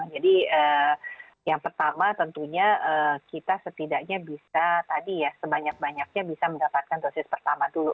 jadi yang pertama tentunya kita setidaknya bisa tadi ya sebanyak banyaknya bisa mendapatkan dosis pertama dulu